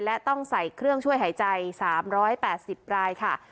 และต้องใส่เครื่องช่วยหายใจ๓๘๐รายค่ะ